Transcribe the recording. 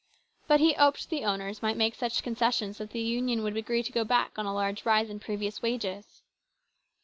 But he hoped the owners might make such concessions that the Union would agree to go back on a large rise in previous wages.